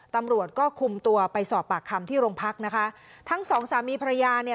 ตำรวจก็คุมตัวไปสอบปากคำที่โรงพักนะคะทั้งสองสามีภรรยาเนี่ย